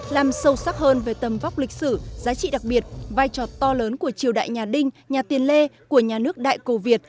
làm sâu sắc hơn về tầm vóc lịch sử giá trị đặc biệt vai trò to lớn của triều đại nhà đinh nhà tiền lê của nhà nước đại cầu việt